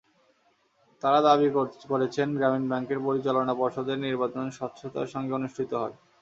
তাঁরা দাবি করেছেন, গ্রামীণ ব্যাংকের পরিচালনা পর্ষদের নির্বাচন স্বচ্ছতার সঙ্গে অনুষ্ঠিত হয়।